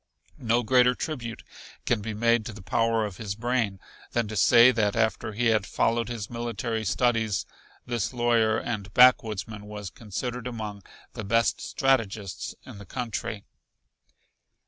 No greater tribute can be made to the power of his brain than to say that after he had followed his military studies this lawyer and backwoodsman was considered among the best strategists in the country.